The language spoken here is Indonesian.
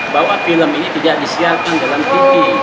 bahwa film ini tidak disiarkan dalam video